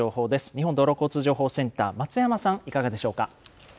日本道路交通情報センター、松山さん、いかがでしょうか。